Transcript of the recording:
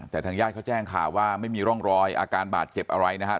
แต่ทางญาติเขาแจ้งข่าวว่าไม่มีร่องรอยอาการบาดเจ็บอะไรนะครับ